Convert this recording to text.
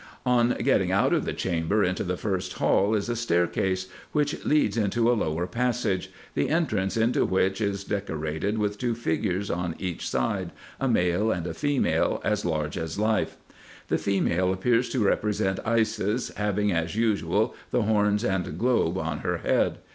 i i 2 244 RESEARCHES AND OPERATIONS On going out of tliis chamber into the first hall is a staircase, which leads into a lower passage, the entrance into which is de corated with two figures, on each side, a male and a female, as large as life. The female appears to represent Isis, having, as usual, the horns and globe on her head.